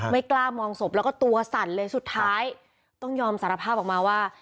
กล้ามองศพแล้วก็ตัวสั่นเลยสุดท้ายต้องยอมสารภาพออกมาว่า